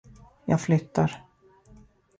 Jag flyttar.